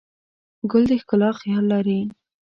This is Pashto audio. ګل د ښکلا خیال لري.